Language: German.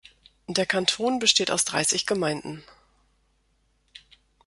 Der Kanton besteht aus dreißig Gemeinden.